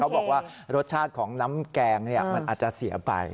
บอกว่ารสชาติของน้ำแกงมันอาจจะเสียไป